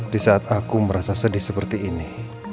di saat aku merasa sedih seperti ini